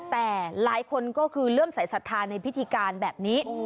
แต่หลายคนก็คือเริ่มสายศรัทธาในพิธีการแบบนี้